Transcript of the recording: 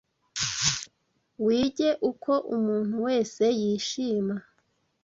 Wige uko umuntu wese yishima